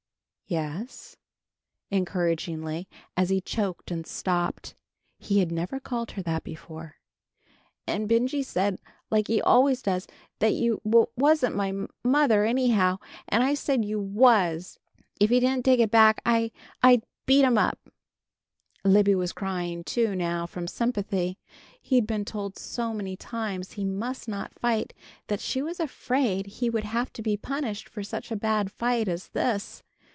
"Yes," encouragingly, as he choked and stopped. He had never called her that before. "And Benjy said like he always does, that you w wasn't my m m mother anyhow. And I said you was! If he didn't take it back I I'd beat him up!" Libby was crying too, now, from sympathy. He'd been told so many times he must not fight that she was afraid he would have to be punished for such a bad fight as this.